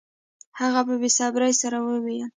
هغه په بې صبرۍ سره وویل